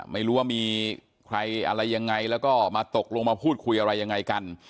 ไม่รู้ว่ามีใครอะไรยังไงแล้วก็มาตกลงมาพูดคุยอะไรยังไงกัน